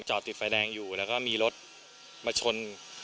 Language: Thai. จอดติดไฟแดงอยู่แล้วก็มีรถมาชน